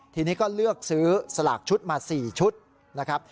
ทีนี้ก็เลือกซื้อสลากชุดมา๔ชุดนะครับ